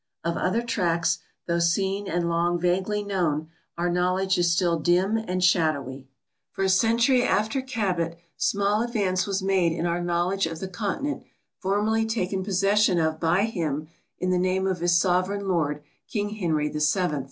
Of other tracts, though seen and long vaguely known, our knowledge is still dim and shadowy. For a century after Cabot small advance was made in our knowledge of the continent formally taken possession of by him in the name of his sovereign lord, King Henry VII.